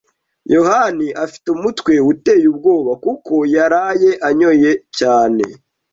yohani afite umutwe uteye ubwoba kuko yaraye anyoye cyane.